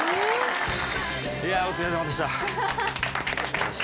いやあお疲れさまでした。